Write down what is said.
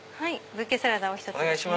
ブーケサラダお１つですね。